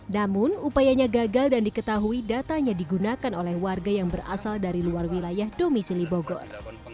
namun upayanya gagal dan diketahui datanya digunakan oleh warga yang berasal dari luar wilayah domisili bogor